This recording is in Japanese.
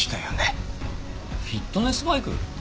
フィットネスバイク？